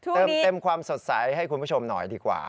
เติมเต็มความสดใสให้คุณผู้ชมหน่อยดีกว่า